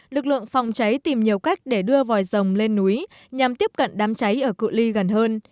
lực lượng phòng cháy tìm nhiều cách để đưa vòi rồng lên núi nhằm tiếp cận đám cháy ở cựu ly gần hơn